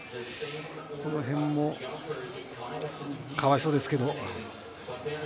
このへんもかわいそうですけどね。